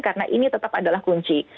karena ini tetap adalah kunci